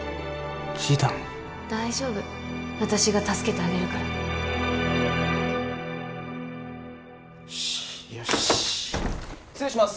大丈夫私が助けてあげるからよしっ失礼します